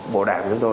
bộ đạp chúng tôi